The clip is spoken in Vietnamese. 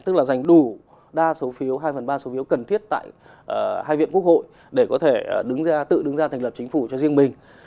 tức là dành đủ đa số phiếu hai phần ba số phiếu cần thiết tại hai viện quốc hội để có thể đứng ra tự đứng ra thành lập chính phủ cho riêng mình